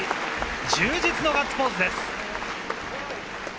充実のガッツポーズです。